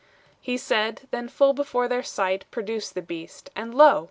He said: then full before their sight Produced the beast, and lo!